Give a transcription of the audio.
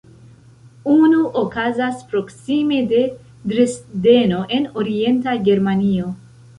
Unu okazas proksime de Dresdeno en orienta Germanio.